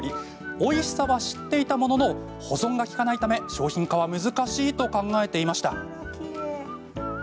おいしさは知っていたものの保存が利かないため商品化は難しいと考えていました。